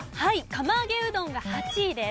釜揚げうどんが８位です。